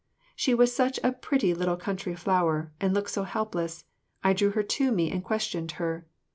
She was such a pretty little country flower, and looked so helpless, I drew her to me and questioned her.